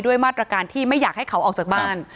มาตรการที่ไม่อยากให้เขาออกจากบ้าน